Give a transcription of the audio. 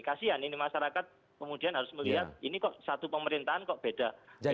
kasian ini masyarakat kemudian harus melihat ini kok satu pemerintahan kok beda